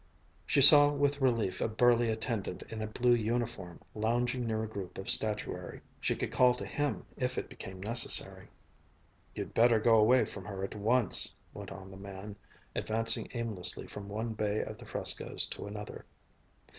She saw with relief a burly attendant in a blue uniform lounging near a group of statuary. She could call to him, if it became necessary. "You'd better go away from her at once," went on the man, advancing aimlessly from one bay of the frescoes to another.